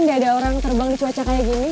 mungkin gak ada orang terbang di cuaca kayak gini